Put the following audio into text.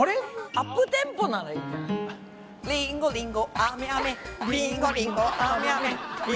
アップテンポなのいいんじゃない？